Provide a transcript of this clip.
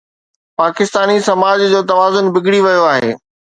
پاڪستاني سماج جو توازن بگڙي ويو آهي.